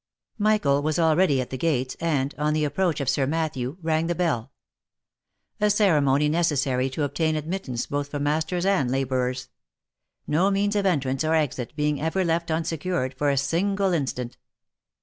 Michael was already at the gates, and, on the approach of Sir Matthew, rang the bell ; a ceremony necessary to obtain admittance both for masters and labourers ; no means of entrance or exit being ever left unsecured for a single instant.